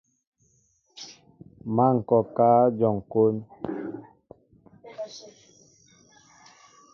Má ŋkɔkă éjom kón.